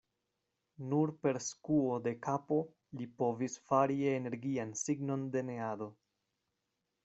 Nur per skuo de kapo li povis fari energian signon de neado.